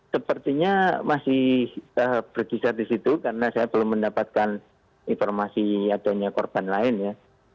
sepertinya masih berkisar di situ karena saya belum mendapatkan informasi adanya korban lain ya